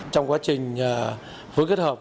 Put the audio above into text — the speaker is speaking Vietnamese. trong quá trình vui kết hợp với các chú công an